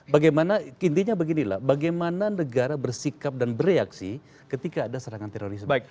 bagaimana intinya beginilah bagaimana negara bersikap dan bereaksi ketika ada serangan terorisme